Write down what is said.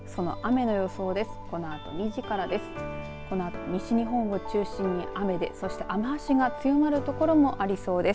このあと西日本を中心に雨でそして雨足が強まる所もありそうです。